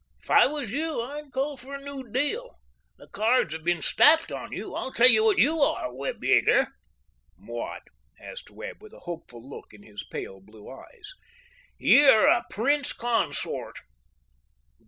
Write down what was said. If I was you, I'd call for a new deal. The cards have been stacked on you—I'll tell you what you are, Webb Yeager." "What?" asked Webb, with a hopeful look in his pale blue eyes. "You're a prince consort."